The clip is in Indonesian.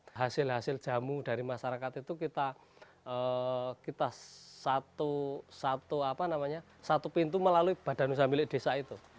jadi hasil hasil jamu dari masyarakat itu kita satu pintu melalui badan usaha milik desa itu